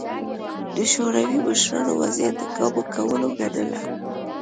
د شوروي مشرانو وضعیت د کابو کولو ګڼله